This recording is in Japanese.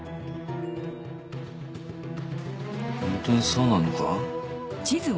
ホントにそうなのか？